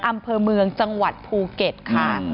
อำเภอเมืองจังหวัดภูเก็ตค่ะ